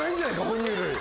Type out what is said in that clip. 哺乳類。